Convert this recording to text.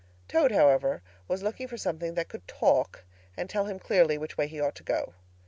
Toad, however, was looking for something that could talk, and tell him clearly which way he ought to go.